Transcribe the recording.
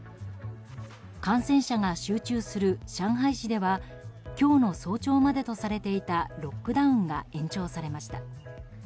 感染者が集中する上海市では今日の早朝までとされていたロックダウンが延長されました。